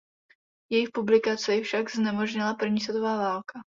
Jejich publikaci však znemožnila první světová válka.